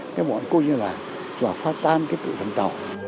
cái bọn cô như vậy và phá tan cái tụi thần tàu